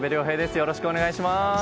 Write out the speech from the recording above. よろしくお願いします。